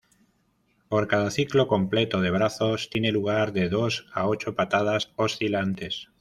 Por cada ciclo completo de brazos tienen lugar de dos a ocho patadas oscilantes.